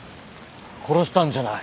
殺したんじゃない。